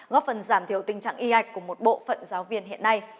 góp phần giảm thiểu tình trạng y ạch của một bộ phận giáo viên hiện nay